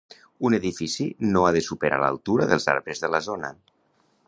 Un edifici no ha de superar l'altura dels arbres de la zona